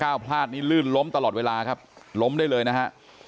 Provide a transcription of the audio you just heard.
พลาดนี่ลื่นล้มตลอดเวลาครับล้มได้เลยนะฮะ